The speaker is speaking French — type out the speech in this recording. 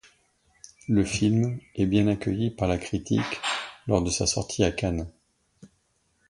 Le film est bien accueilli par la critique lors de sa sortie à Cannes.